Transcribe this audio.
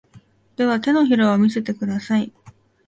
では、手のひらを見せてください。